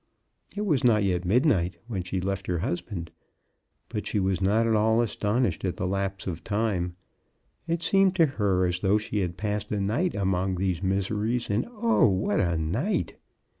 It was not yet midnight when she left her husband, but she was not at all aston ished at the lapse of time. It seemed to her as though she had passed a night among these miseries. And, oh, what a night